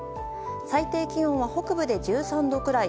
最低気温は北部で１３度くらい。